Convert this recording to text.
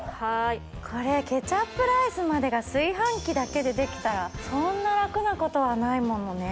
これケチャップライスまでが炊飯器だけでできたらそんな楽なことはないものね。